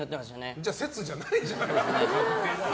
じゃあ説じゃないじゃん。